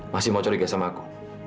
masih mau curiga sama aku